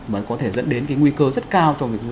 mà có thể dẫn đến cái nguy cơ rất cao